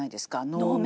能面。